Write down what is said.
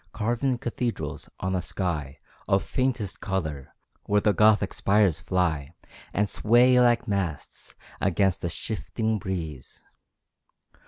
Carven cathedrals, on a sky Of faintest colour, where the gothic spires fly And sway like masts, against a shifting breeze.